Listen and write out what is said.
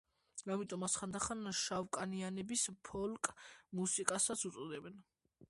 ამიტომ მას ხანდახან შავკანიანების ფოლკ მუსიკასაც უწოდებენ.